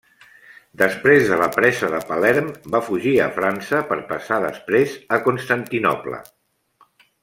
Després de la presa de Palerm va fugir a França per passar després a Constantinoble.